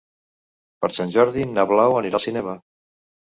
Per Sant Jordi na Blau anirà al cinema.